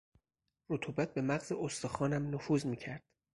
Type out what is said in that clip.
رطوبت به مغز استخوانم نفوذ میکرد.